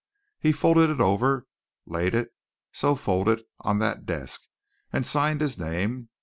He folded it over, laid it, so folded, on that desk, and signed his name.